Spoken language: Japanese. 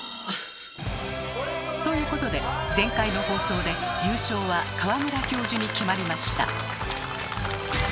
あ！ということで前回の放送で優勝は川村教授に決まりました。